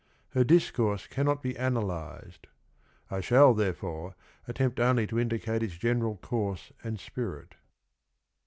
Her discourse cannot be analyzed. I shall, therefore, attempt only to indicate its general course and spirit.